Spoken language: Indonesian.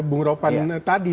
bung ropan tadi